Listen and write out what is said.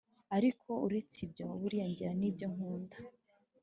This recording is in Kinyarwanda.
ariko uretse ibyo, buriya ngira n’ibyo nkunda!